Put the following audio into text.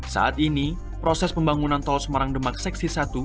saat ini proses pembangunan tol semarang demak seksi satu